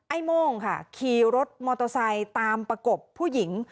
โม่งค่ะขี่รถมอเตอร์ไซค์ตามประกบผู้หญิง